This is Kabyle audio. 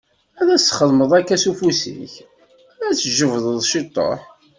Ad as-txedmeḍ akka s ufus-ik, ad tt-tjebdeḍ ciṭuḥ.